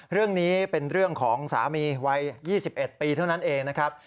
เรื่องนี้เป็นเรื่องของสามีวัย๒๑ปีเท่านั้นเองนะครับ